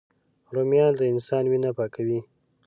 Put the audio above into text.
رومیان د انسان وینه پاکوي